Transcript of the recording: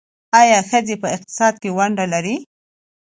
آیا ښځې په اقتصاد کې ونډه نلري؟